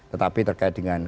tetapi terkait dengan